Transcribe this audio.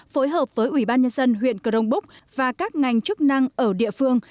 phối hợp với ủy ban nhân dân huyện cờ rông búc và các ngành chức năng ở địa phương